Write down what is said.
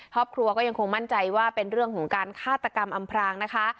ครอบครัวก็ยังคงมั่นใจว่าเป็นเรื่องของการฆาตกรรมอำพรางนะคะ